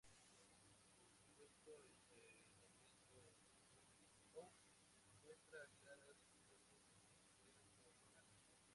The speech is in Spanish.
Su supuesto enterramiento en Sutton Hoo muestra claras influencias tanto cristianas, como paganas.